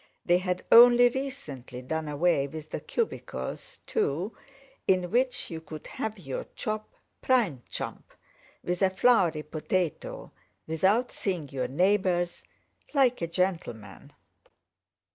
They had only recently done away with the cubicles, too, in which you could have your chop, prime chump, with a floury potato, without seeing your neighbours, like a gentleman.